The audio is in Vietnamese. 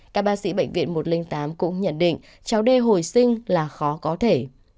các bác sĩ bệnh viện một trăm linh tám cũng nhận định cháu đê hồi sinh là khó có thể